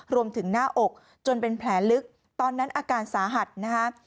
หน้าอกจนเป็นแผลลึกตอนนั้นอาการสาหัสนะคะ